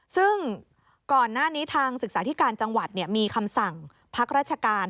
ซึ่งก่อนหน้านี้ทางศึกษาธิการจังหวัดมีคำสั่งพักราชการ